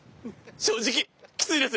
正直きついです。